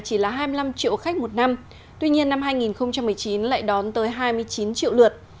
chỉ là hai mươi năm triệu khách một năm tuy nhiên năm hai nghìn một mươi chín lại đón tới hai mươi chín triệu lượt